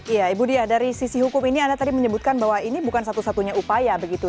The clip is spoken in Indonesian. iya ibu dia dari sisi hukum ini anda tadi menyebutkan bahwa ini bukan satu satunya upaya begitu